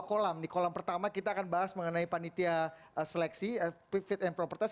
kolam di kolam pertama kita akan bahas mengenai panitia seleksi fit and proper test